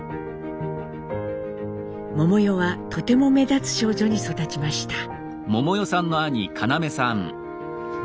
百代はとても目立つ少女に育ちました。